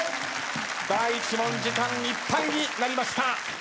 第１問時間いっぱいになりました。